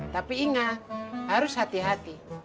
tapi ingat harus hati hati